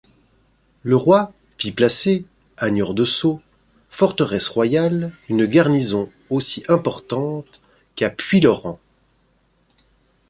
Le roi, fit placer à Niort-de-Sault, forteresse royale, une garnison aussi importante qu'à Puylaurens.